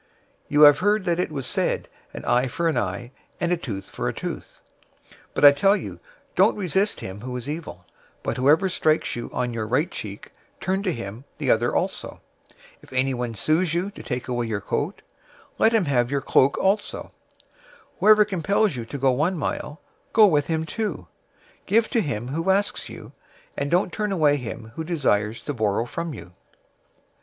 005:038 "You have heard that it was said, 'An eye for an eye, and a tooth for a tooth.'{Exodus 21:24; Leviticus 24:20; Deuteronomy 19:21} 005:039 But I tell you, don't resist him who is evil; but whoever strikes you on your right cheek, turn to him the other also. 005:040 If anyone sues you to take away your coat, let him have your cloak also. 005:041 Whoever compels you to go one mile, go with him two. 005:042 Give to him who asks you, and don't turn away him who desires to borrow from you.